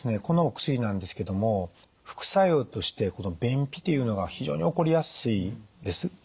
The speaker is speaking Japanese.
このお薬なんですけども副作用として便秘というのが非常に起こりやすいんです。